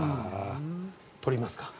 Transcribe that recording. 取りますか？